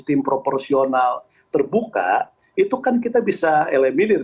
sistem proporsional terbuka itu kan kita bisa elemenir